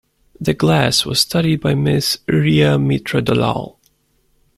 The glass was studied by Ms. Rhea Mitra-Dalal.